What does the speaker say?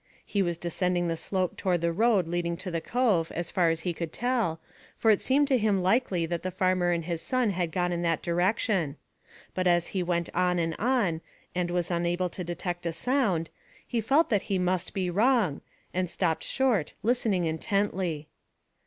He was descending the slope toward the road leading to the cove, as far as he could tell, for it seemed to him likely that the farmer and his son had gone in that direction; but as he went on and on, and was unable to detect a sound, he felt that he must be wrong, and stopped short, listening intently.